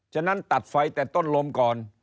ฉะนั้นตัดไฟแต่ต้นลมก่อน